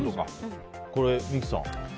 これ、三木さん。